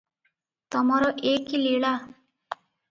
ତମର ଏ କି ଲୀଳା?"